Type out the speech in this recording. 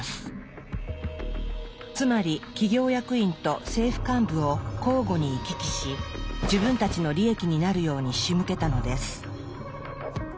つまり企業役員と政府幹部を交互に行き来し自分たちの利益になるようにしむけたのです。